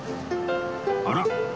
あら？